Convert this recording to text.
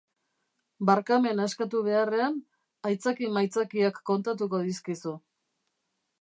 Barkamena eskatu beharrean, aitzaki-maitzakiak kontatuko dizkizu.